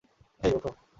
হেই, উঠো।